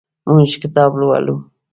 موږ کتاب لولو.